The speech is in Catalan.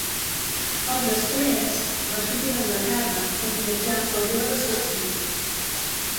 Poc després, va sortir d'Anglaterra per viatjar pel bé de la seva salut.